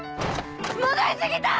戻り過ぎた！